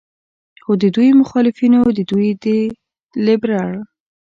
خو د دوي مخالفينو د دوي د لبرل